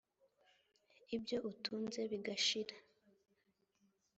ibyo utunze bigashira